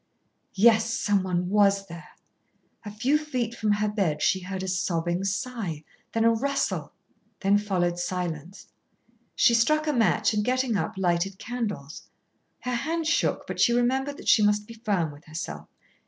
Yes, someone was there. A few feet from her bed she heard a sobbing sigh, then a rustle, then followed silence. She struck a match and, getting up, lighted candles. Her hand shook, but she remembered that she must be firm with herself.